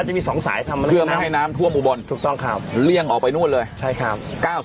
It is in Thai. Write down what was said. ทำช่องทางให้มัน